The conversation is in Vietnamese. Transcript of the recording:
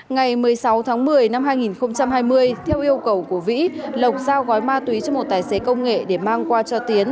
ngày một mươi sáu tháng một mươi năm hai nghìn hai mươi theo yêu cầu của vĩ lộc giao gói ma túy cho một tài xế công nghệ để mang qua cho tiến